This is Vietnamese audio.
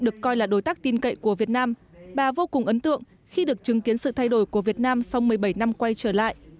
được coi là đối tác tin cậy của việt nam bà vô cùng ấn tượng khi được chứng kiến sự thay đổi của việt nam sau một mươi bảy năm quay trở lại